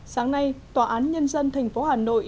sáng nay tòa án nhân dân tp hà nội